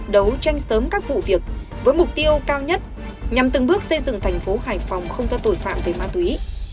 đấu tranh sớm các vụ việc với mục tiêu cao nhất nhằm từng bước xây dựng thành phố hải phòng không cho tội phạm về ma túy